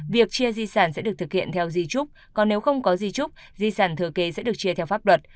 việc chia di sản sẽ được thực hiện theo di trúc còn nếu không có di trúc di sản thừa kế sẽ được chia theo pháp luật